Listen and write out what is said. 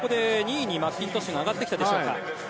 ２位にマッキントッシュが上がってきたでしょうか。